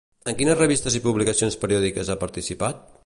En quines revistes i publicacions periòdiques ha participat?